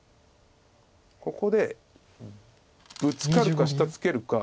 ここでブツカるか下ツケるか。